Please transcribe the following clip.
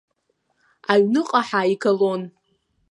Аҩныҟа ҳаигалон.